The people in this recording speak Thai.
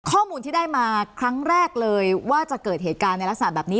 ข้อมูลที่ได้มาครั้งแรกเลยว่าจะเกิดเหตุการณ์ในลักษณะแบบนี้